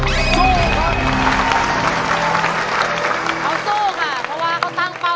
เขาสู้ค่ะเพราะว่าเขาตั้งเป้า